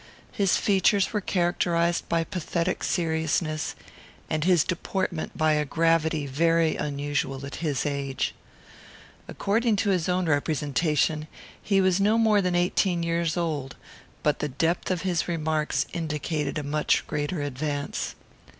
His features were characterized by pathetic seriousness, and his deportment by a gravity very unusual at his age. According to his own representation, he was no more than eighteen years old, but the depth of his remarks indicated a much greater advance.